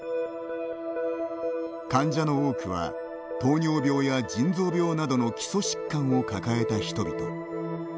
患者の多くは糖尿病や腎臓病などの基礎疾患を抱えた人々。